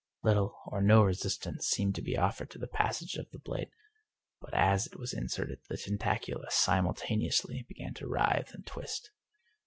Little or no resistance seemed to be offered to the passage of the blade, but as it was inserted the tentacula simultaneously began to writhe and twist.